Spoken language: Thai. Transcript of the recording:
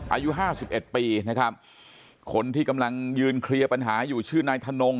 อายุห้าสิบเอ็ดปีนะครับคนที่กำลังยืนเคลียร์ปัญหาอยู่ชื่อนายธนง